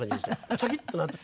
シャキッとなって。